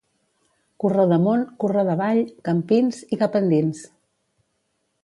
Corró d'Amunt, Corró d'Avall, Campins i cap endins.